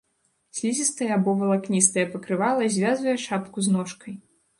Слізістае або валакністае пакрывала звязвае шапку з ножкай.